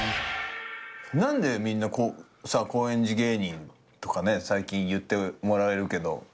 何でみんな高円寺芸人とかね最近言ってもらえるけど。